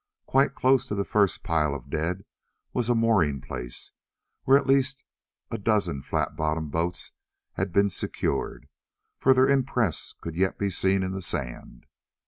Quite close to the first pile of dead was a mooring place where at least a dozen flat bottomed boats had been secured, for their impress could yet be seen in the sand.